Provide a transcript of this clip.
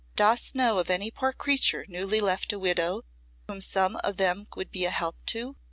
Dost know of any poor creature newly left a widow whom some of them would be a help to?